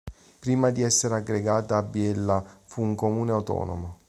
Prima di essere aggregata a Biella fu un comune autonomo.